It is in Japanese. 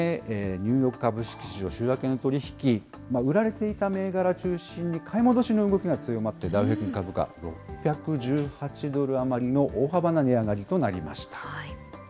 ニューヨーク株式市場、週明けの取り引き、売られていた銘柄中心に、買い戻しの動きが強まって、ダウ平均株価、６１８ドル余りの大幅な値上がりとなりました。